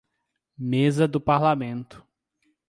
Mesa do Parlamento.